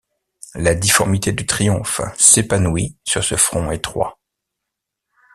La difformité du triomphe s’épanouit sur ce front étroit.